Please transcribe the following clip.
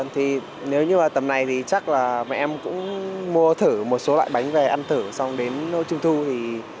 thì nếu như là tầm này thì chắc là bọn em cũng mua thử một số loại bánh về ăn thử xong đến trung thu